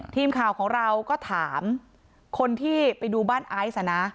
ทีมข่าวของเราก็ถามคนที่ไปดูบ้านไอซ์